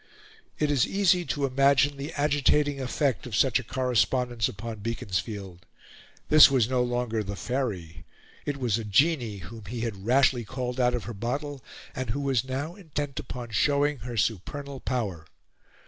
It is easy to imagine the agitating effect of such a correspondence upon Beaconsfield. This was no longer the Faery; it was a genie whom he had rashly called out of her bottle, and who was now intent upon showing her supernal power.